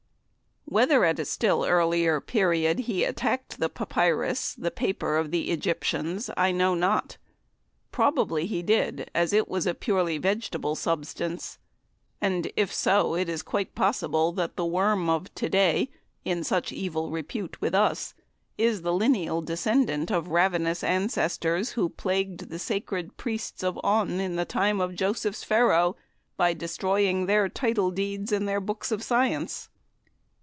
Whether at a still earlier period he attacked the papyrus, the paper of the Egyptians, I know not probably he did, as it was a purely vegetable substance; and if so, it is quite possible that the worm of to day, in such evil repute with us, is the lineal descendant of ravenous ancestors who plagued the sacred Priests of On in the time of Joseph's Pharaoh, by destroying their title deeds and their books of Science.